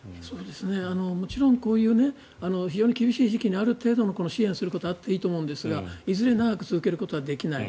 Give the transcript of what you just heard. もちろん、こういう非常に厳しい時期にある程度の支援をしていくことはあっていいと思うんですがいずれ長くやることはできない。